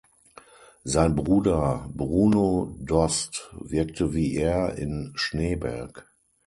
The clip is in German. Sein Bruder Bruno Dost wirkte wie er in Schneeberg.